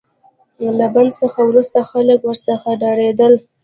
له بند څخه وروسته خلک ورڅخه ډاریدل.